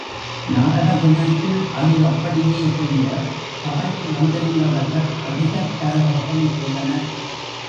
நாடக தினத்தில் அது அப்படியே செய்ய, சபையில் வந்திருந்தவர்கள் அதிகக் கரகோஷம் செய்தனர்.